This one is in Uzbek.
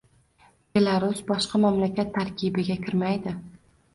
Belarus boshqa mamlakat tarkibiga kirmaydi!